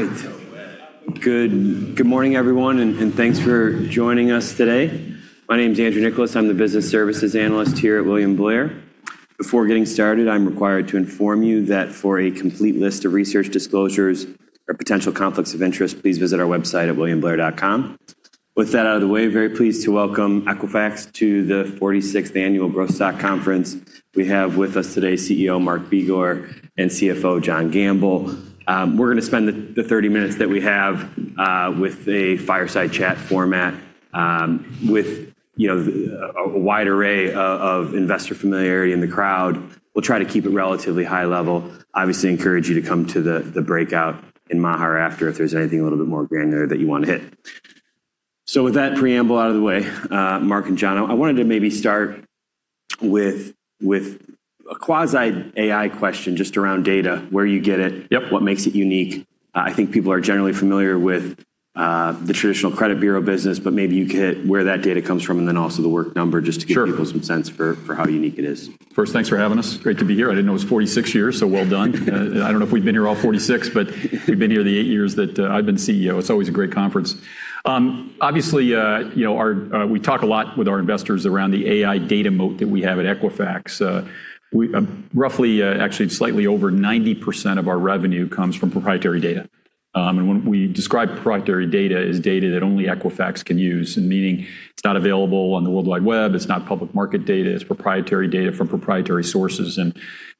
All right. Good morning, everyone, and thanks for joining us today. My name is Andrew Nicholas. I'm the Business Services Analyst here at William Blair. Before getting started, I'm required to inform you that for a complete list of research disclosures or potential conflicts of interest, please visit our website at williamblair.com. With that out of the way, very pleased to welcome Equifax to the 46th Annual Growth Stock Conference. We have with us today CEO Mark Begor and CFO John Gamble. We're going to spend the 30 minutes that we have with a fireside chat format with a wide array of investor familiarity in the crowd. We'll try to keep it relatively high level. Encourage you to come to the breakout in Maher after if there's anything a little bit more granular that you want to hit. With that preamble out of the way, Mark and John, I wanted to maybe start with a quasi-AI question just around data, where you get it. Yep what makes it unique. I think people are generally familiar with the traditional credit bureau business, but maybe you could hit where that data comes from and then also The Work Number. Sure People some sense for how unique it is. First, thanks for having us. Great to be here. I didn't know it was 46 years, so well done. I don't know if we've been here all 46, but we've been here the eight years that I've been CEO. It's always a great conference. Obviously, we talk a lot with our investors around the AI data moat that we have at Equifax. Roughly, actually, slightly over 90% of our revenue comes from proprietary data. When we describe proprietary data, it's data that only Equifax can use, meaning it's not available on the World Wide Web, it's not public market data. It's proprietary data from proprietary sources.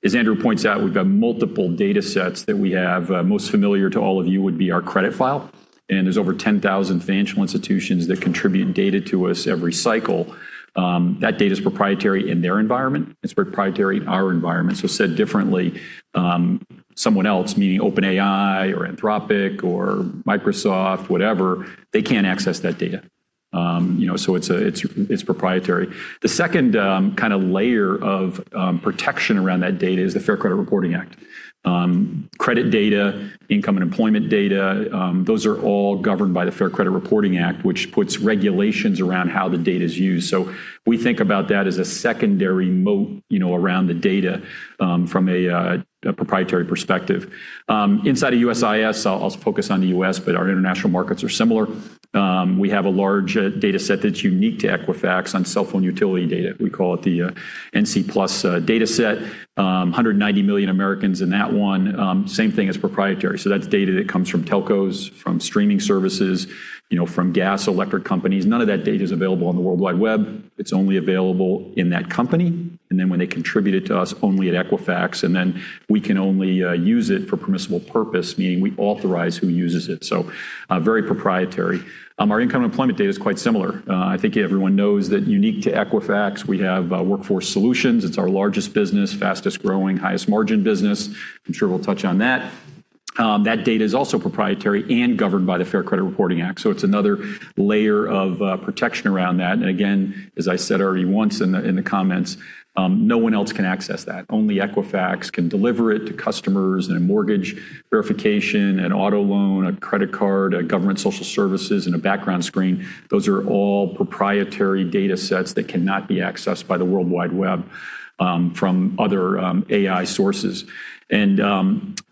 As Andrew points out, we've got multiple data sets that we have. Most familiar to all of you would be our credit file, and there's over 10,000 financial institutions that contribute data to us every cycle. That data's proprietary in their environment. It's proprietary in our environment. Said differently, someone else, meaning OpenAI or Anthropic or Microsoft, whatever, they can't access that data. It's proprietary. The second layer of protection around that data is the Fair Credit Reporting Act. Credit data, income and employment data, those are all governed by the Fair Credit Reporting Act, which puts regulations around how the data's used. We think about that as a secondary moat around the data from a proprietary perspective. Inside of USIS, I'll focus on the U.S., but our international markets are similar. We have a large data set that's unique to Equifax on cell phone utility data. We call it the NCTUE Plus data set, 190 million Americans in that one. Same thing as proprietary. That's data that comes from telcos, from streaming services, from gas, electric companies. None of that data is available on the World Wide Web. It's only available in that company. When they contribute it to us only at Equifax, and then we can only use it for permissible purpose, meaning we authorize who uses it. Very proprietary. Our income and employment data is quite similar. I think everyone knows that unique to Equifax, we have Workforce Solutions. It's our largest business, fastest-growing, highest margin business. I'm sure we'll touch on that. That data is also proprietary and governed by the Fair Credit Reporting Act. It's another layer of protection around that. As I said already once in the comments, no one else can access that. Only Equifax can deliver it to customers in a mortgage verification, an auto loan, a credit card, a government social services, and a background screen. Those are all proprietary data sets that cannot be accessed by the World Wide Web from other AI sources.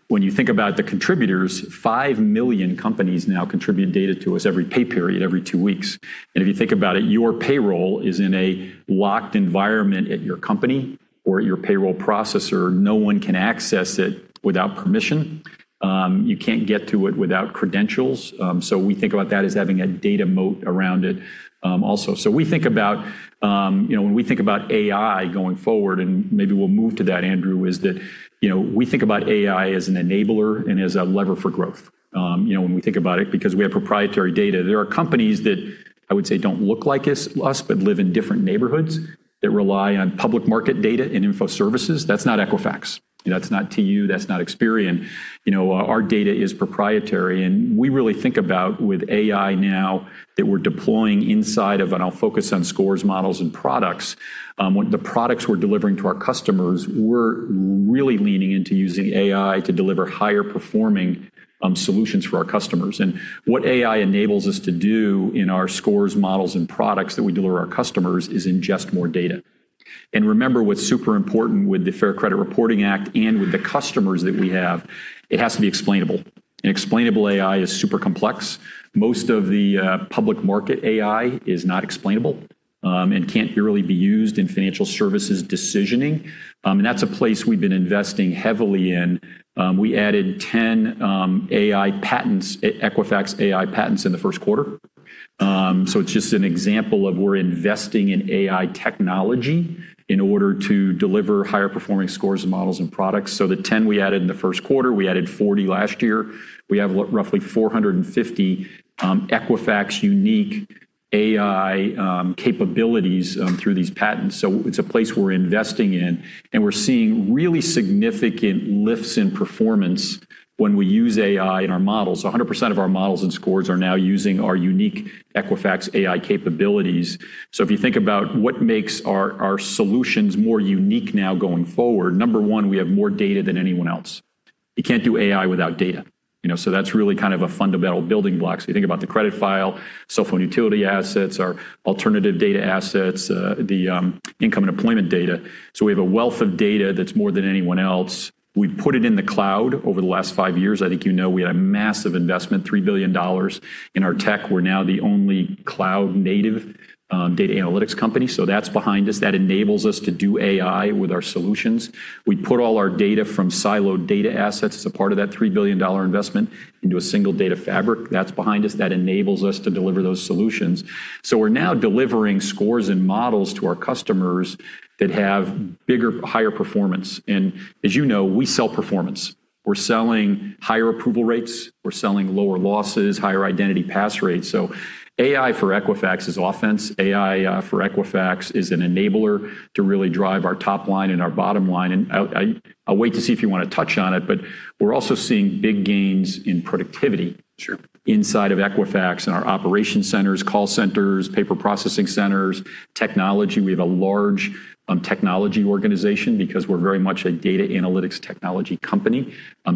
When you think about the contributors, 5 million companies now contribute data to us every pay period, every two weeks. If you think about it, your payroll is in a locked environment at your company or at your payroll processor. No one can access it without permission. You can't get to it without credentials. We think about that as having a data moat around it also. When we think about AI going forward, and maybe we'll move to that, Andrew, is that we think about AI as an enabler and as a lever for growth. When we think about it, because we have proprietary data, there are companies that I would say don't look like us, but live in different neighborhoods that rely on public market data and info services. That's not Equifax. That's not TU. That's not Experian. Our data is proprietary. We really think about with AI now that we're deploying inside of, and I'll focus on scores, models, and products. The products we're delivering to our customers, we're really leaning into using AI to deliver higher performing solutions for our customers. What AI enables us to do in our scores, models, and products that we deliver our customers is ingest more data. Remember what's super important with the Fair Credit Reporting Act and with the customers that we have, it has to be explainable. Explainable AI is super complex. Most of the public market AI is not explainable and can't really be used in financial services decisioning. That's a place we've been investing heavily in. We added 10 Equifax AI patents in the first quarter. It's just an example of we're investing in AI technology in order to deliver higher performing scores and models and products. The 10 we added in the first quarter, we added 40 last year. We have roughly 450 Equifax unique AI capabilities through these patents. It's a place we're investing in, and we're seeing really significant lifts in performance when we use AI in our models. 100% of our models and scores are now using our unique Equifax AI capabilities. If you think about what makes our solutions more unique now going forward, number one, we have more data than anyone else. You can't do AI without data. That's really kind of a fundamental building block. You think about the credit file, cell phone utility assets, our alternative data assets, the income and employment data. We have a wealth of data that's more than anyone else. We've put it in the cloud over the last five years. I think you know we had a massive investment, $3 billion in our tech. We're now the only cloud-native data analytics company. That's behind us. That enables us to do AI with our solutions. We put all our data from siloed data assets as a part of that $3 billion investment into a single data fabric. That's behind us. That enables us to deliver those solutions. We're now delivering scores and models to our customers that have bigger, higher performance. As you know, we sell performance. We're selling higher approval rates. We're selling lower losses, higher identity pass rates. AI for Equifax is offense. AI for Equifax is an enabler to really drive our top line and our bottom line. I'll wait to see if you want to touch on it, but we're also seeing big gains in productivity. Sure inside of Equifax, in our operation centers, call centers, paper processing centers, technology. We have a large technology organization because we're very much a data analytics technology company.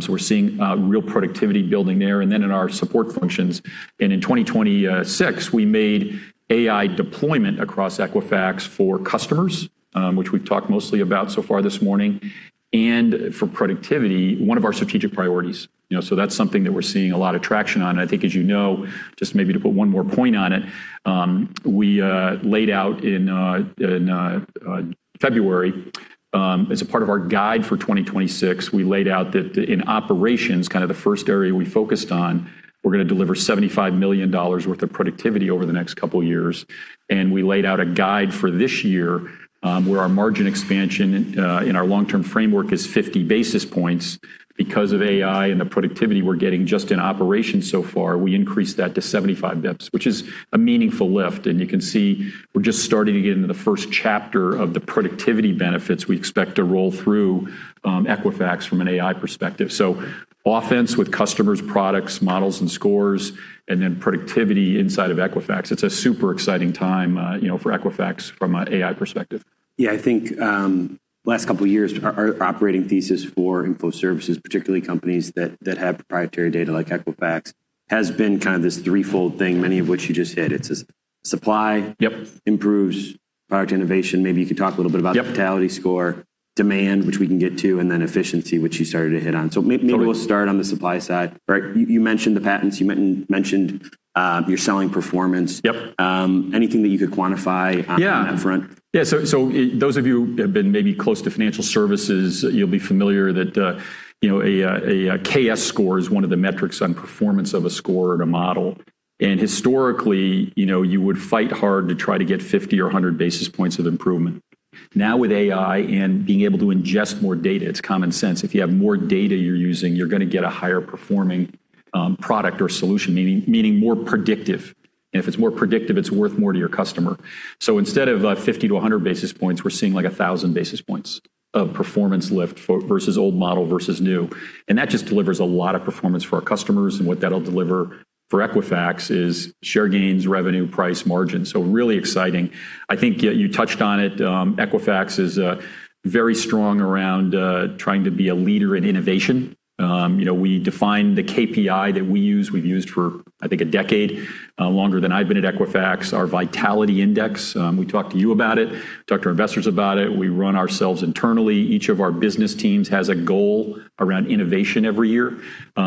We're seeing real productivity building there, and then in our support functions. In 2026, we made AI deployment across Equifax for customers, which we've talked mostly about so far this morning, and for productivity, one of our strategic priorities. That's something that we're seeing a lot of traction on. I think, as you know, just maybe to put one more point on it, we laid out in February as a part of our guide for 2026, we laid out that in operations, kind of the first area we focused on, we're going to deliver $75 million worth of productivity over the next couple of years. We laid out a guide for this year, where our margin expansion in our long-term framework is 50 basis points. Because of AI and the productivity we're getting just in operations so far, we increased that to 75 basis points, which is a meaningful lift. You can see we're just starting to get into the first chapter of the productivity benefits we expect to roll through Equifax from an AI perspective. Offense with customers, products, models, and scores, and then productivity inside of Equifax. It's a super exciting time for Equifax from an AI perspective. Yeah, I think last couple of years, our operating thesis for info services, particularly companies that have proprietary data like Equifax, has been kind of this threefold thing, many of which you just hit. It's. Yep Improves product innovation. Maybe you could talk a little bit about? Yep Vitality score, demand, which we can get to, and then efficiency, which you started to hit on. Totally We'll start on the supply side, right? You mentioned the patents, you mentioned you're selling performance. Yep. Anything that you could quantify. Yeah On that front? Yeah. So those of you who have been maybe close to financial services, you'll be familiar that a KS score is one of the metrics on performance of a score or a model. Historically, you would fight hard to try to get 50 or 100 basis points of improvement. Now with AI and being able to ingest more data, it's common sense. If you have more data you're using, you're going to get a higher performing product or solution, meaning more predictive. If it's more predictive, it's worth more to your customer. Instead of 50-100 basis points, we're seeing like 1,000 basis points of performance lift versus old model versus new. That just delivers a lot of performance for our customers, and what that'll deliver for Equifax is share gains, revenue, price margin. Really exciting. I think you touched on it. Equifax is very strong around trying to be a leader in innovation. We define the KPI that we use, we've used for, I think, 10 years, longer than I've been at Equifax, our Vitality Index. We talked to you about it, talked to our investors about it. We run ourselves internally. Each of our business teams has a goal around innovation every year. We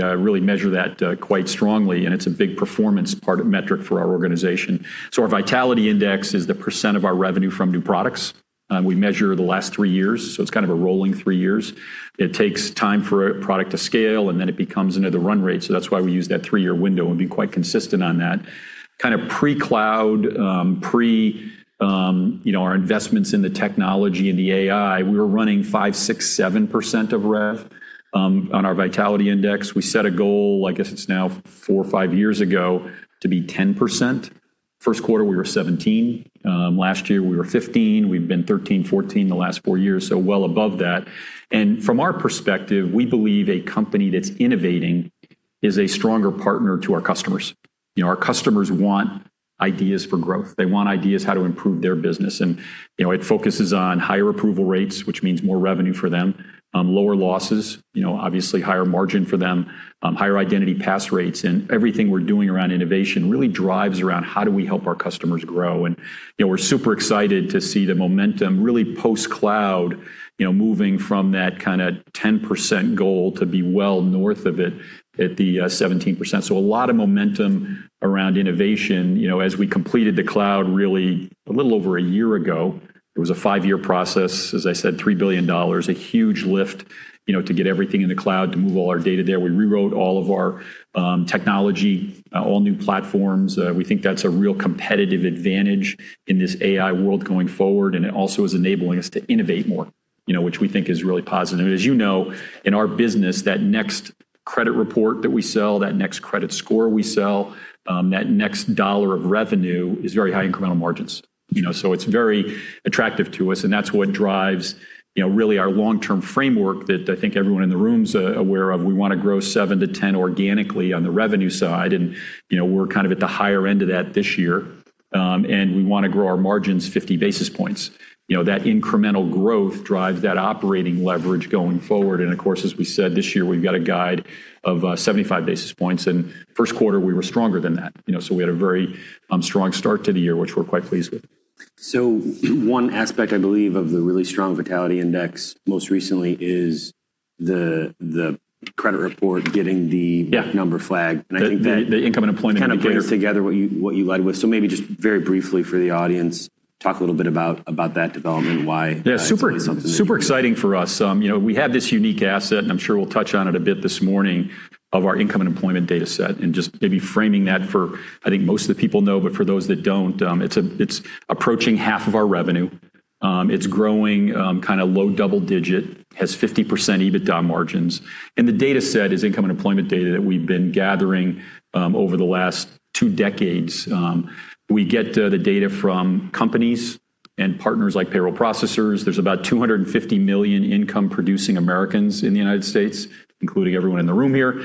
really measure that quite strongly, and it's a big performance metric for our organization. Our Vitality Index is the percent of our revenue from new products. We measure the last three years, so it's kind of a rolling three years. It takes time for a product to scale, and then it becomes into the run rate, so that's why we use that three-year window and been quite consistent on that. Kind of pre-cloud, our investments in the technology and the AI, we were running 5%, 6%, 7% of rev on our Vitality Index. We set a goal, I guess it's now four or five years ago, to be 10%. First quarter, we were 17%. Last year, we were 15%. We've been 13%, 14% the last four years, so well above that. From our perspective, we believe a company that's innovating is a stronger partner to our customers. Our customers want ideas for growth. They want ideas how to improve their business, and it focuses on higher approval rates, which means more revenue for them, lower losses, obviously higher margin for them, higher identity pass rates. Everything we're doing around innovation really drives around how do we help our customers grow. We're super excited to see the momentum really post-cloud, moving from that kind of 10% goal to be well north of it at the 17%. A lot of momentum around innovation. As we completed the cloud really a little over a year ago, it was a five-year process, as I said, $3 billion, a huge lift to get everything in the cloud to move all our data there. We rewrote all of our technology, all new platforms. We think that's a real competitive advantage in this AI world going forward, and it also is enabling us to innovate more, which we think is really positive. As you know, in our business, that next credit report that we sell, that next credit score we sell, that next dollar of revenue is very high incremental margins. It's very attractive to us, and that's what drives really our long-term framework that I think everyone in the room's aware of. We want to grow 7%-10% organically on the revenue side, and we're kind of at the higher end of that this year. We want to grow our margins 50 basis points. That incremental growth drives that operating leverage going forward. Of course, as we said, this year we've got a guide of 75 basis points, and first quarter we were stronger than that. We had a very strong start to the year, which we're quite pleased with. One aspect, I believe, of the really strong Vitality Index most recently is the credit report. Yeah Number flagged. The income and employment data. Kind of brings together what you led with. Maybe just very briefly for the audience, talk a little about that development and why? Yeah That's really something. Super exciting for us. We have this unique asset, and I'm sure we'll touch on it a bit this morning, of our income and employment data set, and just maybe framing that for, I think most of the people know, but for those that don't, it's approaching half of our revenue. It's growing low double digit, has 50% EBITDA margins. The data set is income and employment data that we've been gathering over the last two decades. We get the data from companies and partners like payroll processors. There's about 250 million income-producing Americans in the U.S., including everyone in the room here.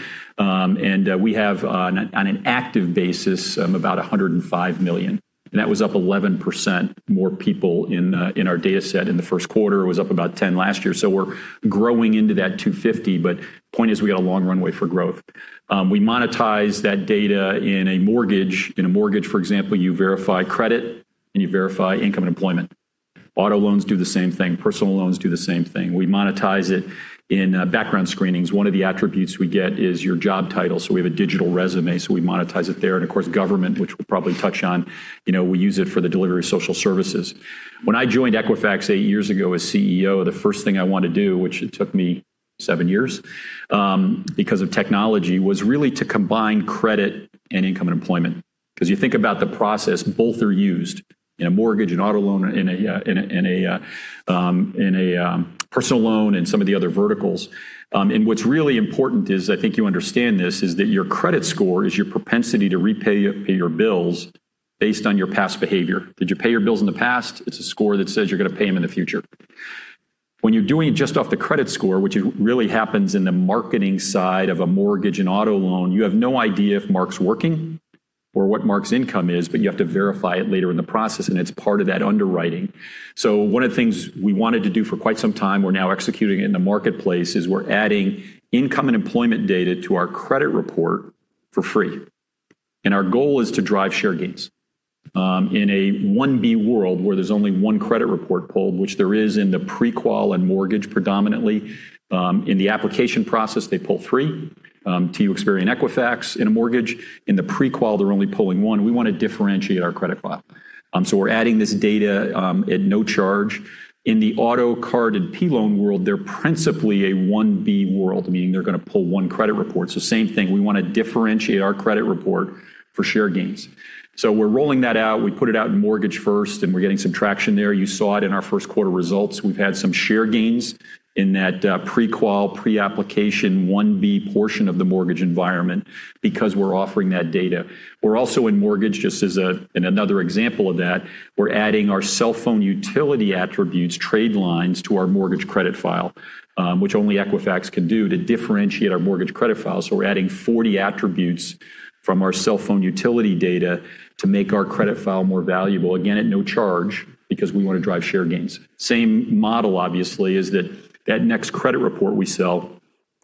We have, on an active basis, about 105 million. That was up 11% more people in our data set in the first quarter. It was up about 10 last year. We're growing into that 250, but point is, we got a long runway for growth. We monetize that data in a mortgage. In a mortgage, for example, you verify credit and you verify income and employment. Auto loans do the same thing. Personal loans do the same thing. We monetize it in background screenings. One of the attributes we get is your job title. We have a digital resume, so we monetize it there. Of course, government, which we'll probably touch on. We use it for the delivery of social services. When I joined Equifax eight years ago as CEO, the first thing I wanted to do, which it took me seven years because of technology, was really to combine credit and income and employment. You think about the process, both are used in a mortgage and auto loan, in a personal loan, and some of the other verticals. What's really important is, I think you understand this, is that your credit score is your propensity to repay your bills based on your past behavior. Did you pay your bills in the past? It's a score that says you're going to pay them in the future. When you're doing it just off the credit score, which really happens in the marketing side of a mortgage and auto loan, you have no idea if Mark's working or what Mark's income is, but you have to verify it later in the process, and it's part of that underwriting. One of the things we wanted to do for quite some time, we are now executing it in the marketplace, is we are adding income and employment data to our credit report for free. Our goal is to drive share gains. In a 1B world where there is only one credit report pulled, which there is in the pre-qual and mortgage predominantly. In the application process, they pull three, TransUnion, Experian, Equifax in a mortgage. In the pre-qual, they are only pulling one. We want to differentiate our credit file. We are adding this data at no charge. In the auto card and P-loan world, they are principally a 1B world, meaning they are going to pull one credit report. Same thing, we want to differentiate our credit report for share gains. We are rolling that out. We put it out in mortgage first, and we are getting some traction there. You saw it in our first quarter results. We've had some share gains in that pre-qual, pre-application 1B portion of the mortgage environment because we're offering that data. We're also in mortgage, just as another example of that, we're adding our cell phone utility attributes tradelines to our mortgage credit file, which only Equifax can do to differentiate our mortgage credit file. We're adding 40 attributes from our cell phone utility data to make our credit file more valuable, again, at no charge because we want to drive share gains. Same model, obviously, is that that next credit report we sell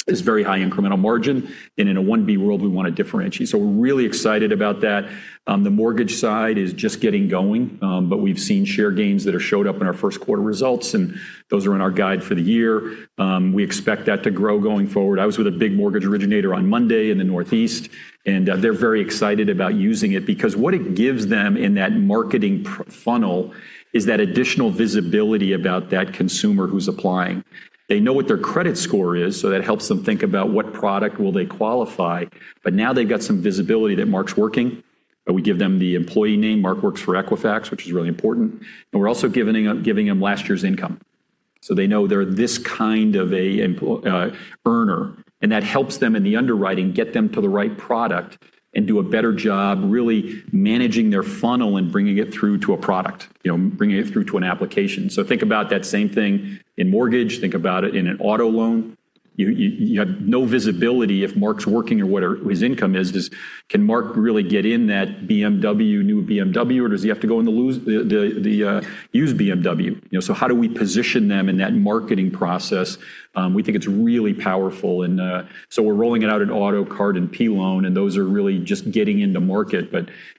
is very high incremental margin, and in a 1B world, we want to differentiate. We're really excited about that. The mortgage side is just getting going. We've seen share gains that have showed up in our first quarter results, and those are in our guide for the year. We expect that to grow going forward. I was with a big mortgage originator on Monday in the Northeast, and they're very excited about using it because what it gives them in that marketing funnel is that additional visibility about that consumer who's applying. They know what their credit score is, so that helps them think about what product will they qualify. Now they've got some visibility that Mark's working. We give them the employee name. Mark works for Equifax, which is really important. We're also giving them last year's income. They know they're this kind of a earner, and that helps them in the underwriting get them to the right product and do a better job really managing their funnel and bringing it through to a product, bringing it through to an application. Think about that same thing in mortgage. Think about it in an auto loan. You have no visibility if Mark's working or what his income is. Can Mark really get in that new BMW, or does he have to go in the used BMW? How do we position them in that marketing process? We think it's really powerful. We're rolling it out in auto card and P-loan, and those are really just getting into market.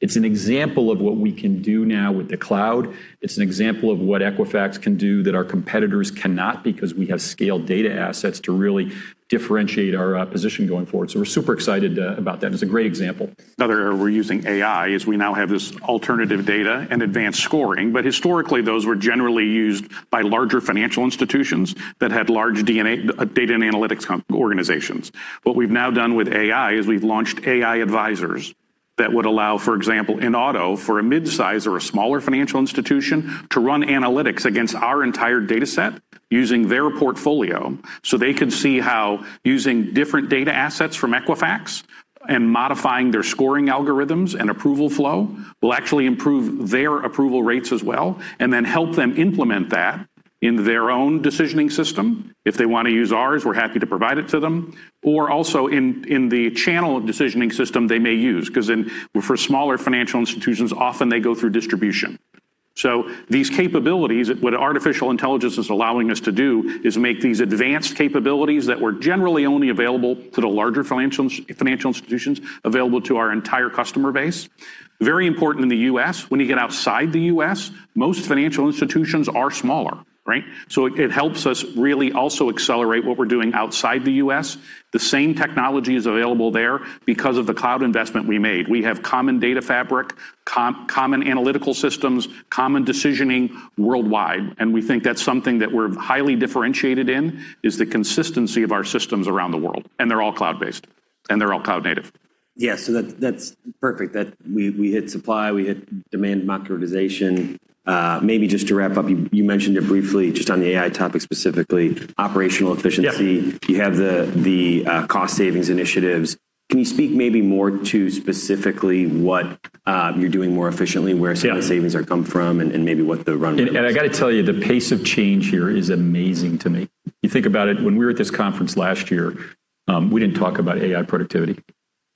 It's an example of what we can do now with the cloud. It's an example of what Equifax can do that our competitors cannot because we have scaled data assets to really differentiate our position going forward. We're super excited about that. It's a great example. Another area we're using AI is we now have this alternative data and advanced scoring. Historically, those were generally used by larger financial institutions that had large data and analytics organizations. What we've now done with AI is we've launched AI advisors that would allow, for example, in auto, for a mid-size or a smaller financial institution to run analytics against our entire data set using their portfolio, so they could see how using different data assets from Equifax and modifying their scoring algorithms and approval flow will actually improve their approval rates as well, and then help them implement that in their own decisioning system. If they want to use ours, we're happy to provide it to them, or also in the channel decisioning system they may use, because for smaller financial institutions, often they go through distribution. These capabilities, what artificial intelligence is allowing us to do, is make these advanced capabilities that were generally only available to the larger financial institutions available to our entire customer base. Very important in the U.S. When you get outside the U.S., most financial institutions are smaller, right? It helps us really also accelerate what we're doing outside the U.S. The same technology is available there because of the cloud investment we made. We have common data fabric, common analytical systems, common decisioning worldwide, and we think that's something that we're highly differentiated in, is the consistency of our systems around the world. They're all cloud-based, and they're all cloud native. Yeah. That's perfect. We hit supply, we hit demand democratization. Maybe just to wrap up, you mentioned it briefly, just on the AI topic specifically, operational efficiency. Yeah. You have the cost savings initiatives. Can you speak maybe more to specifically what you're doing more efficiently? Yeah of the savings are coming from and maybe what the run rate is? I got to tell you, the pace of change here is amazing to me. You think about it, when we were at this conference last year, we didn't talk about AI productivity.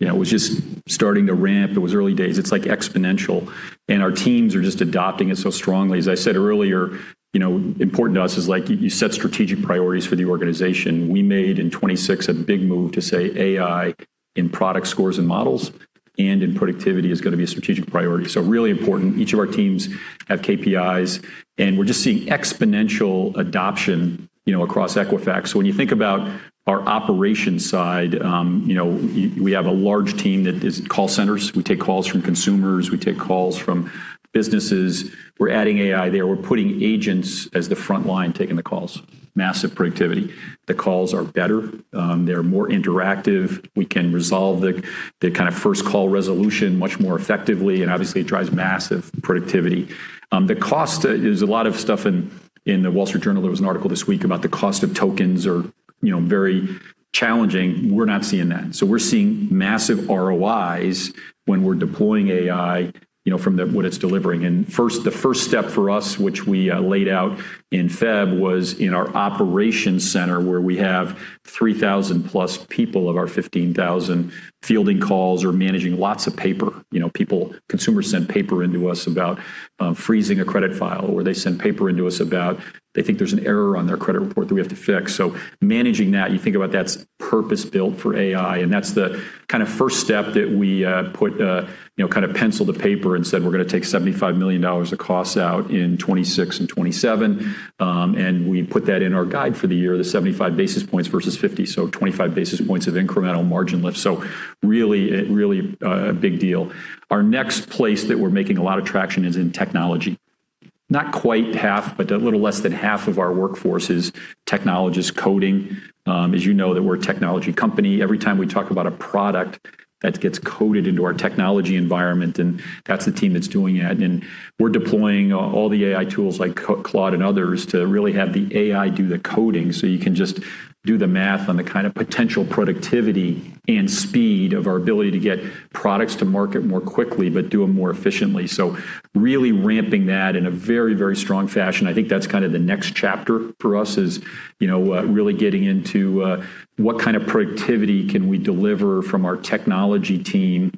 It was just starting to ramp. It was early days. It's exponential, and our teams are just adopting it so strongly. As I said earlier, important to us is you set strategic priorities for the organization. We made, in 2026, a big move to say AI in product scores and models and in productivity is going to be a strategic priority. Really important. Each of our teams have KPIs, and we're just seeing exponential adoption across Equifax. When you think about our operations side, we have a large team that is call centers. We take calls from consumers, we take calls from businesses. We're adding AI there. We're putting agents as the front line, taking the calls. Massive productivity. The calls are better. They're more interactive. We can resolve the first call resolution much more effectively, and obviously, it drives massive productivity. The cost, there's a lot of stuff in The Wall Street Journal, there was an article this week about the cost of tokens are very challenging. We're not seeing that. We're seeing massive ROIs when we're deploying AI from what it's delivering. The first step for us, which we laid out in Feb, was in our operations center, where we have 3,000+ people of our 15,000 fielding calls or managing lots of paper. People, consumers send paper into us about freezing a credit file, or they send paper into us about they think there's an error on their credit report that we have to fix. Managing that, you think about that's purpose-built for AI. That's the first step that we put pencil to paper and said, "We're going to take $75 million of costs out in 2026 and 2027." We put that in our guide for the year, the 75 basis points versus 50, 25 basis points of incremental margin lift. Really a big deal. Our next place that we're making a lot of traction is in technology. Not quite half, but a little less than half of our workforce is technologists coding. You know that we're a technology company. Every time we talk about a product that gets coded into our technology environment, that's the team that's doing that. We're deploying all the AI tools like Claude and others to really have the AI do the coding. You can just do the math on the kind of potential productivity and speed of our ability to get products to market more quickly, but do them more efficiently. I think that's the next chapter for us is really getting into what kind of productivity can we deliver from our technology team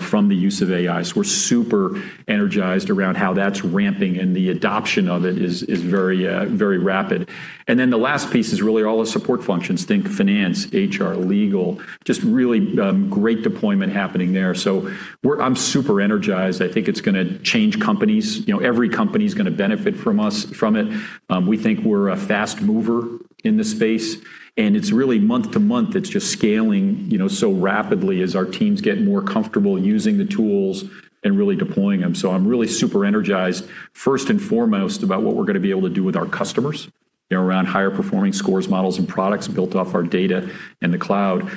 from the use of AI. We're super energized around how that's ramping, and the adoption of it is very rapid. The last piece is really all the support functions. Think finance, HR, legal. Just really great deployment happening there. I'm super energized. I think it's going to change companies. Every company's going to benefit from it. We think we're a fast mover in this space, and it's really month-to-month, it's just scaling so rapidly as our teams get more comfortable using the tools and really deploying them. I'm really super energized, first and foremost, about what we're going to be able to do with our customers around higher performing scores, models, and products built off our data and the cloud.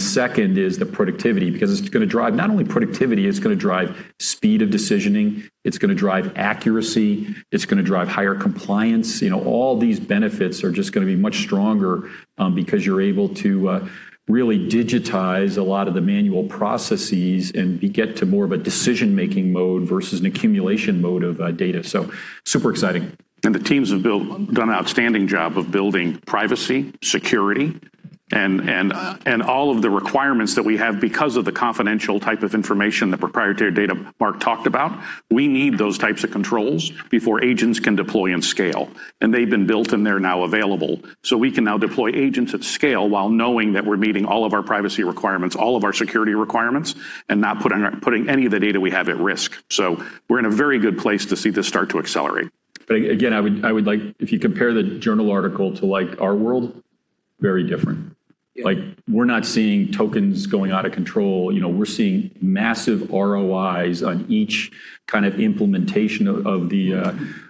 Second is the productivity, because it's going to drive not only productivity, it's going to drive speed of decisioning, it's going to drive accuracy, it's going to drive higher compliance. All these benefits are just going to be much stronger because you're able to really digitize a lot of the manual processes and get to more of a decision-making mode versus an accumulation mode of data. Super exciting. The teams have done an outstanding job of building privacy, security, and all of the requirements that we have because of the confidential type of information, the proprietary data Mark talked about. We need those types of controls before agents can deploy and scale. They've been built, and they're now available. We can now deploy agents at scale while knowing that we're meeting all of our privacy requirements, all of our security requirements, and not putting any of the data we have at risk. We're in a very good place to see this start to accelerate. Again, if you compare the journal article to our world, very different. Yeah. We're not seeing tokens going out of control. We're seeing massive ROIs on each kind of implementation of the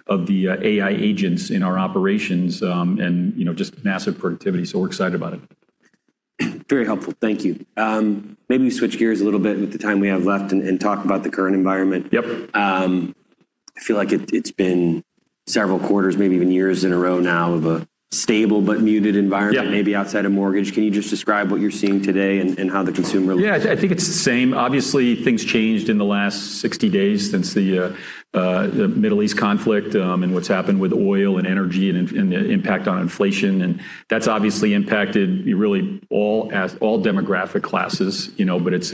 AI agents in our operations, and just massive productivity. We're excited about it. Very helpful. Thank you. Maybe we switch gears a little bit with the time we have left and talk about the current environment. Yep. I feel like it's been several quarters, maybe even years in a row now of a stable but muted environment. Yeah Maybe outside of mortgage. Can you just describe what you're seeing today and how the consumer looks? Yeah, I think it's the same. Obviously, things changed in the last 60 days since the Middle East conflict, and what's happened with oil and energy and the impact on inflation. That's obviously impacted really all demographic classes, but it's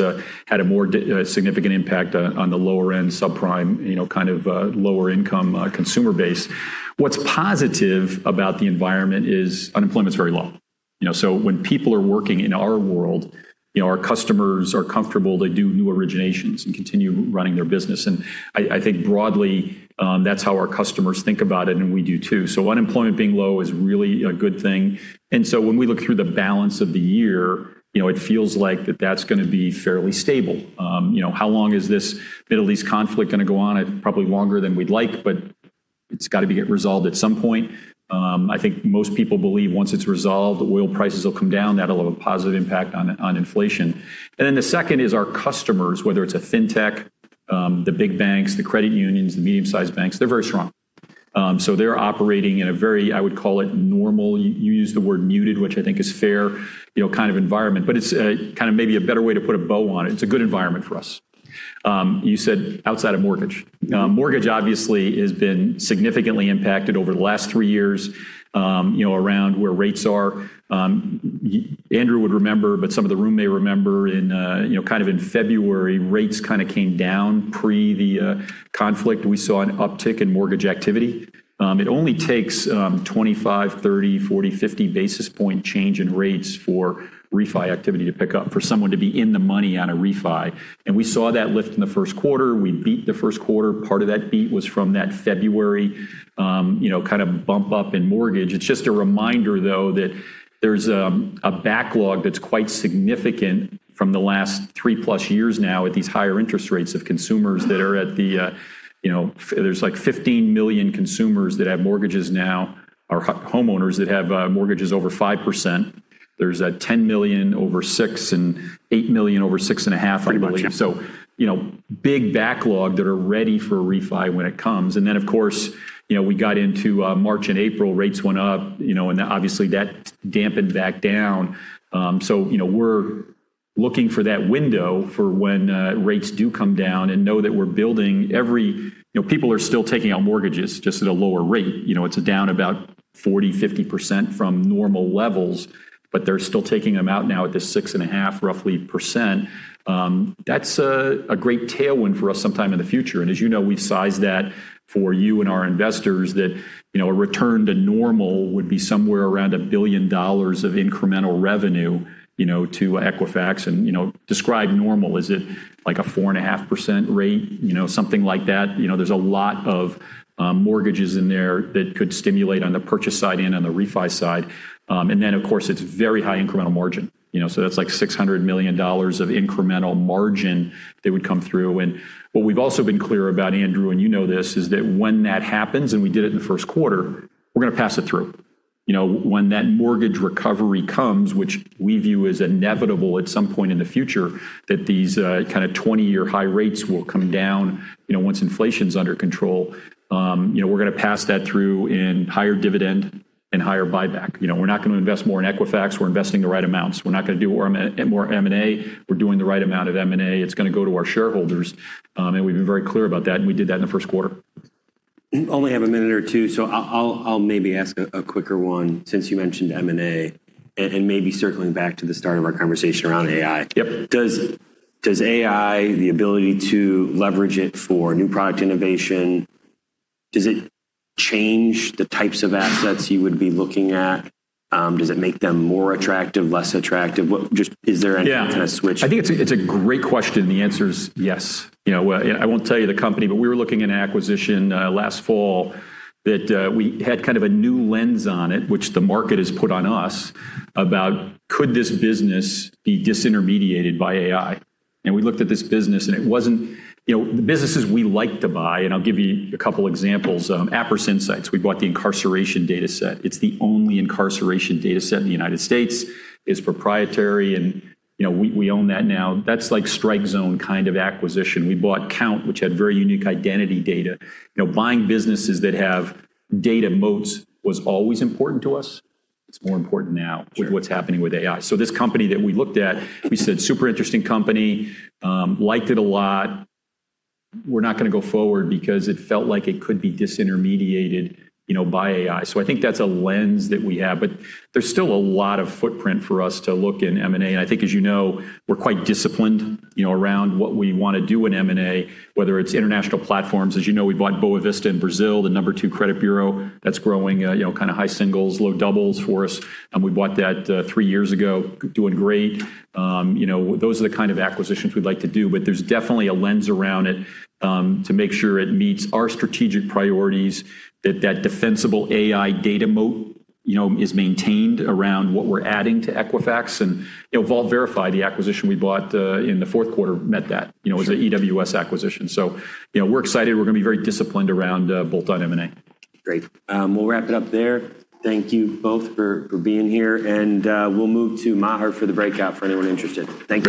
had a more significant impact on the lower-end, subprime, lower-income consumer base. What's positive about the environment is unemployment is very low. When people are working in our world, our customers are comfortable to do new originations and continue running their business. I think broadly, that's how our customers think about it, and we do too. Unemployment being low is really a good thing. When we look through the balance of the year, it feels like that that's going to be fairly stable. How long is this Middle East conflict going to go on? Probably longer than we'd like, but it's got to get resolved at some point. I think most people believe once it's resolved, oil prices will come down. That'll have a positive impact on inflation. The second is our customers, whether it's a fintech, the big banks, the credit unions, the medium-sized banks, they're very strong. They're operating in a very, I would call it normal, you used the word muted, which I think is fair, kind of environment. It's maybe a better way to put a bow on it. It's a good environment for us. You said outside of mortgage. Mortgage obviously has been significantly impacted over the last three years, around where rates are. Andrew would remember, but some of the room may remember in February, rates kind of came down pre the conflict. We saw an uptick in mortgage activity. It only takes 25, 30, 40, 50 basis point change in rates for refi activity to pick up for someone to be in the money on a refi. We saw that lift in the first quarter. We beat the first quarter. Part of that beat was from that February bump up in mortgage. It's just a reminder, though, that there's a backlog that's quite significant from the last 3+ years now at these higher interest rates of consumers that are. There's 15 million consumers that have mortgages now, or homeowners that have mortgages over 5%. There's $10 million over six and $8 million over six and a half, I believe. Pretty much, yeah. Big backlog that are ready for a refi when it comes. Of course, we got into March and April, rates went up, and obviously that dampened back down. We're looking for that window for when rates do come down and know that we're building. People are still taking out mortgages, just at a lower rate. It's down about 40%-50% from normal levels, but they're still taking them out now at this 6.5%, roughly. That's a great tailwind for us sometime in the future. As you know, we've sized that for you and our investors that a return to normal would be somewhere around $1 billion of incremental revenue to Equifax. Describe normal, is it like a 4.5% rate? Something like that. There's a lot of mortgages in there that could stimulate on the purchase side and on the refi side. Then, of course, it's very high incremental margin. That's like $600 million of incremental margin that would come through. What we've also been clear about, Andrew, and you know this, is that when that happens, and we did it in the first quarter, we're going to pass it through. When that mortgage recovery comes, which we view as inevitable at some point in the future, that these kind of 20-year high rates will come down once inflation's under control. We're going to pass that through in higher dividend and higher buyback. We're not going to invest more in Equifax. We're investing the right amounts. We're not going to do more M&A. We're doing the right amount of M&A. It's going to go to our shareholders. We've been very clear about that, and we did that in the first quarter. Only have a minute or two, I'll maybe ask a quicker one since you mentioned M&A, and maybe circling back to the start of our conversation around AI. Yep. Does AI, the ability to leverage it for new product innovation, does it change the types of assets you would be looking at? Does it make them more attractive, less attractive? Is there any kind of switch? Yeah. I think it's a great question. The answer is yes. I won't tell you the company, but we were looking at an acquisition last fall that we had kind of a new lens on it, which the market has put on us about could this business be disintermediated by AI? We looked at this business. The businesses we like to buy, and I'll give you a couple examples. Appriss Insights, we bought the incarceration dataset. It's the only incarceration dataset in the United States. It's proprietary, and we own that now. That's like strike zone kind of acquisition. We bought Kount, which had very unique identity data. Buying businesses that have data moats was always important to us. It's more important now. Sure with what's happening with AI. This company that we looked at, we said, super interesting company. Liked it a lot. We're not going to go forward because it felt like it could be disintermediated by AI. I think that's a lens that we have. There's still a lot of footprint for us to look in M&A, and I think as you know, we're quite disciplined around what we want to do in M&A, whether it's international platforms. As you know, we bought Boa Vista in Brazil, the number two credit bureau that's growing high singles, low doubles for us. We bought that three years ago. Doing great. Those are the kind of acquisitions we'd like to do, but there's definitely a lens around it to make sure it meets our strategic priorities, that that defensible AI data moat is maintained around what we're adding to Equifax. Vault Verify, the acquisition we bought in the fourth quarter met that. It was a EWS acquisition. We're excited. We're going to be very disciplined around bolt-on M&A. Great. We'll wrap it up there. Thank you both for being here, and we'll move to Maher for the breakout for anyone interested. Thank you.